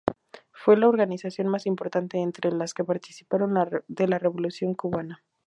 Fue la organización más importante entre las que participaron de la Revolución cubana.